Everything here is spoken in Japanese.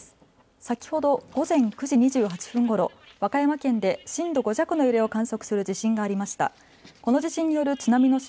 先ほど午前９時２８分ごろ、和歌山県で震度５弱の揺れを観測する地震がありました。